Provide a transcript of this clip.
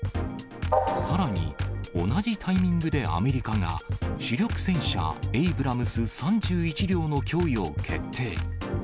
さらに、同じタイミングでアメリカが、主力戦車、エイブラムス３１両の供与を決定。